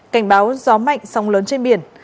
cảnh báo gió mạnh sóng lớn trên biển